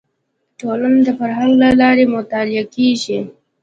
ټولنه د فرهنګ له لارې مطالعه کیږي